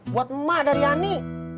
buat emak dari ani